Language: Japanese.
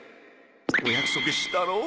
お約束したろお？